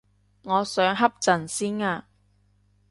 我想瞌陣先啊